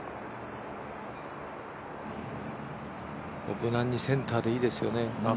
無難にセンターでいいですよね。